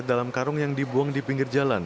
dalam karung yang dibuang di pinggir jalan